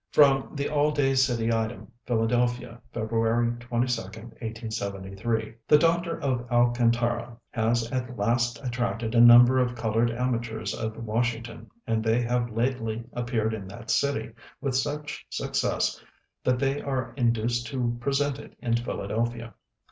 From "The All Day City Item," Philadelphia, Feb. 22, 1873: "'The Doctor of Alcantara' has at last attracted a number of colored amateurs of Washington; and they have lately appeared in that city, with such success that they are induced to present it in Philadelphia.